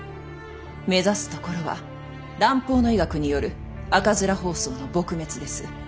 目指すところは蘭方の医学による赤面疱瘡の撲滅です。